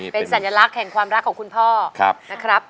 เป็นสัญลักษณ์แห่งความรักของคุณพ่อนะครับ